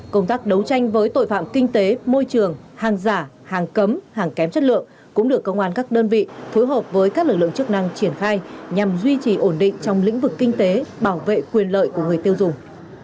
công tác đấu tranh với tội phạm kinh tế môi trường hàng giả hàng cấm hàng kém chất lượng cũng được công an các đơn vị phối hợp với các lực lượng chức năng triển khai nhằm duy trì ổn định trong lĩnh vực kinh tế bảo vệ quyền lợi của người tiêu dùng